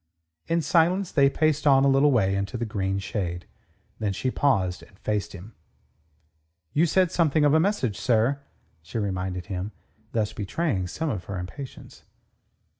In silence they paced on a little way into the green shade. Then she paused and faced him. "You said something of a message, sir," she reminded him, thus betraying some of her impatience.